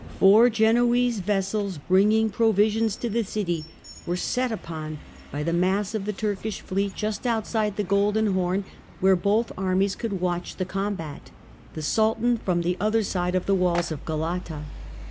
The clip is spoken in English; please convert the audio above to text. Four Genoese vessels bringing provisions to the city were set upon by the mass of the THE GKEEK EMPIRE AND OTTOMAN TURKS 267 Turkish fleet just outside the Golden Horn, where both armies could watch the combat, the Sultan from the other side of the walls of Galata.